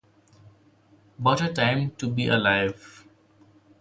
What a time to be alive!